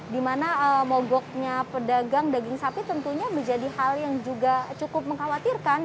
dimana mogoknya pedagang daging sapi tentunya menjadi hal yang juga cukup mengkhawatirkan